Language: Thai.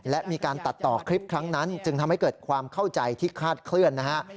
และมีการตัดต่อคลิปครั้งนั้นจึงทำให้เกิดความเข้าใจที่คาดเคลื่อนนะฮะ